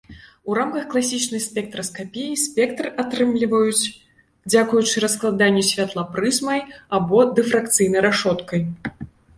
У рамках класічнай спектраскапіі спектр атрымліваюць дзякуючы раскладанню святла прызмай або дыфракцыйнай рашоткай.